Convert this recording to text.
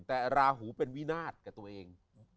แต่ราหูเป็นวินาศกับตัวเอง